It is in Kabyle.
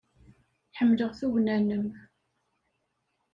Ḥemmleɣ tugna-nnem.